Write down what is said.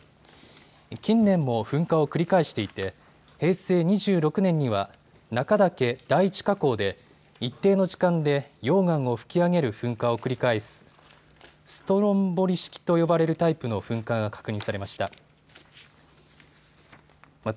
近年も噴火を繰り返していて平成２６年には中岳第一火口で、一定の時間で、溶岩を噴き上げる噴火を繰り返すストロンボリ式と呼ばれるタイプの噴火が確認されました。